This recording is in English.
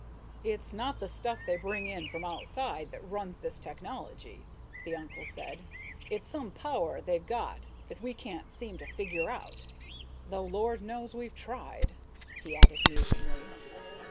"It's not the stuff they bring in from outside that runs this technology," the uncle said. "It's some power they've got that we can't seem to figure out. Though Lord knows we've tried," he added musingly.